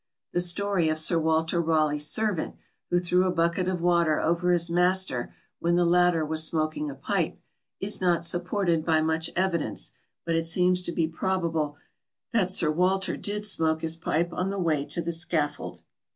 The story of Sir Walter Raleigh's servant, who threw a bucket of water over his master when the latter was smoking a pipe, is not supported by much evidence, but it seems to be probable that Sir Walter did smoke his pipe on the way to the scaffold.